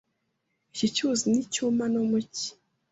Iki cyuzi nticyuma no mu cyi.